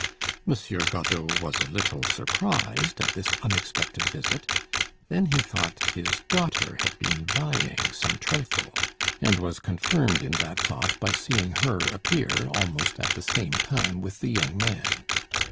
Monsieur Godeau was a little surprised at this unexpected visit; then he thought his daughter had been buying some trifle, and was confirmed in that thought by seeing her appear almost at the same time with the young man.